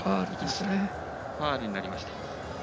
ファウルになりました。